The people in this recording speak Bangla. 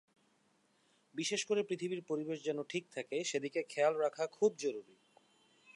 বিশেষ করে পৃথিবীর পরিবেশ যেন ঠিক থাকে, সেদিকে খেয়াল রাখা খুব জরুরি।